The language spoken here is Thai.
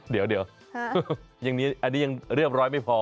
เดี๋ยวอันนี้ยังเรียบร้อยไม่พอ